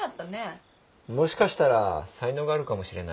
もしかしたら才能があるかもしれない。